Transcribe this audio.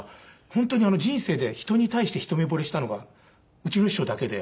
本当に人生で人に対して一目ぼれしたのがうちの師匠だけで。